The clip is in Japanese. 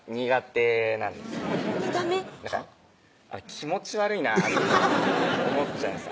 気持ち悪いなって思っちゃうんです